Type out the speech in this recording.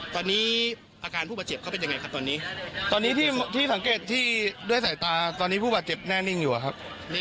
ตอนนี้อาการผู้บาดเจ็บเขาเป็นยังไงครับตอนนี้ตอนนี้ที่สังเกตที่ด้วยสายตาตอนนี้ผู้บาดเจ็บแน่นิ่งอยู่อะครับ